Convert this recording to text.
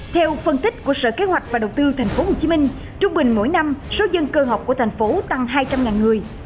theo phân tích của sở kế hoạch và đầu tư tp hcm trung bình mỗi năm số dân cơ học của thành phố tăng hai trăm linh người